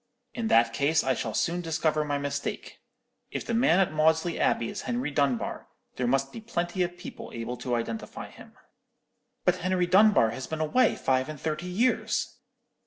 "'In that case I shall soon discover my mistake. If the man at Maudesley Abbey is Henry Dunbar, there must be plenty of people able to identify him.' "'But Henry Dunbar has been away five and thirty years.'